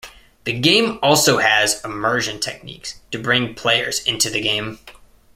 The game also has immersion techniques to bring players "into the game".